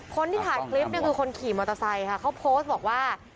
คนที่ถ่ายคลิปเนี่ยคือคนขี่มอเตอร์ไซค์ค่ะเขาโพสต์บอกว่า